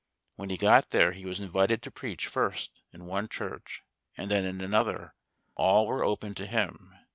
When he got there he was invited to preach first in one church and then in another, all were open to him.